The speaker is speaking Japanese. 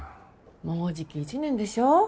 もうじき１年でしょ？